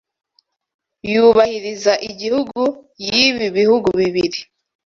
yubahiriza igihugu yibi bihugu bibiri